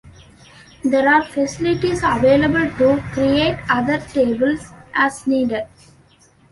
There are facilities available to create other tables as needed.